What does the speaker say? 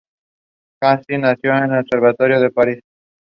Hollows are present within Wang Meng.